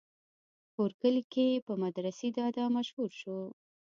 کور کلي کښې پۀ مدرسې دادا مشهور شو